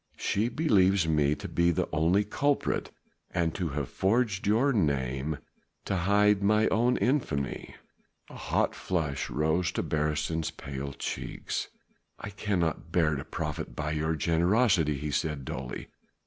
She believes me to be the only culprit and to have forged your name to hide mine own infamy." A hot flush rose to Beresteyn's pale cheeks. "I cannot bear to profit by your generosity," he said dully.